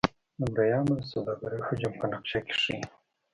د مریانو د سوداګرۍ حجم په نقشه کې ښيي.